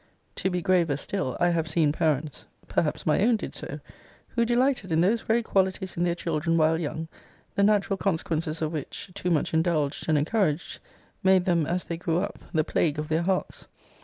To be graver still, I have seen parents, [perhaps my own did so,] who delighted in those very qualities in their children while young, the natural consequences of which, (too much indulged and encouraged,) made them, as they grew up, the plague of their hearts.